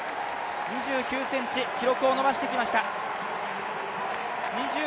２９ｃｍ記録を伸ばしてきました。